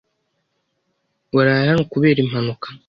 Waraye hano kubera impanuka?